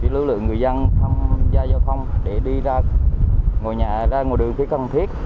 lực lượng người dân tham gia giao thông để đi ra ngồi đường khi cần thiết